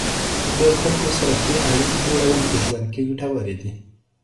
د خلکو سره ښې اړیکې جوړول په ژوند کې ګټورې دي.